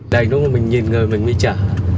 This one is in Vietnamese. đây nó mình nhìn người mình mới trở